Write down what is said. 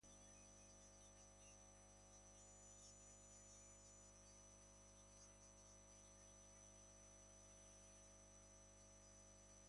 Biak taldekideekin batera entrenatu dira eta osteguneko neurketa jokatu ahal izango dute.